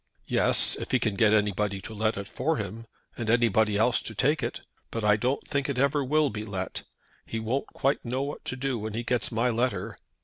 "Yes; if he can get anybody to let it for him, and anybody else to take it. But I don't think it ever will be let. He won't quite know what to do when he gets my letter.